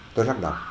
tôi lắc đọc